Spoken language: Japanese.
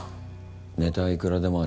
ネタはいくらでもある。